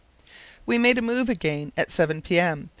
We made a move again at 7 p.m.